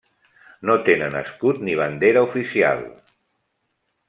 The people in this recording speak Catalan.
No tenen escut ni bandera oficial: